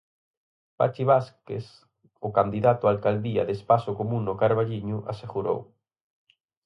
Pachi Vázquez, o candidato á alcaldía de Espazo Común no Carballiño, asegurou...